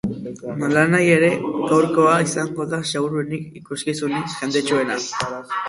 Nolanahi ere, gaurkoa izango da seguruenik ikuskizunik jendetsuena.